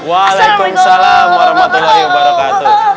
waalaikumsalam warahmatullahi wabarakatuh